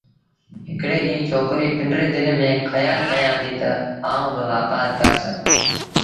هڪڙي ڏيݩهݩ ڇوڪري پنڊريٚ دل ميݩ کيآل ڪيآݩدي تا آئوݩ با وآپآر ڪرس